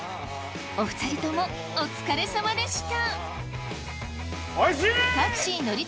お二人ともお疲れさまでした。